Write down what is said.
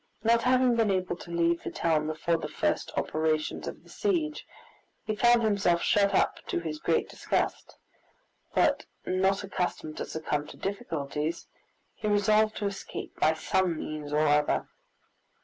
Not having been able to leave the town before the first operations of the siege, he found himself shut up, to his great disgust; but, not accustomed to succumb to difficulties, he resolved to escape by some means or other.